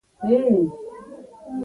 يو د مينې په نوم هسکه شمله ګرزي.